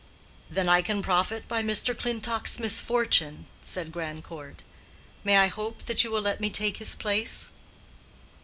"Then I can profit by Mr. Clintock's misfortune?" said Grandcourt. "May I hope that you will let me take his place?"